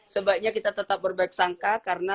sebaiknya kita tetap berbaik sangka karena